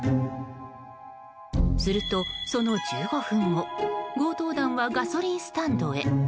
すると、その１５分後強盗団はガソリンスタンドへ。